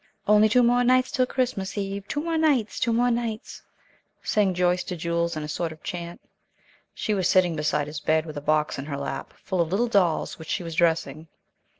"Only two more nights till Christmas eve, two more nights, two more nights," sang Joyce to Jules in a sort of chant. She was sitting beside his bed with a box in her lap, full of little dolls, which she was dressing.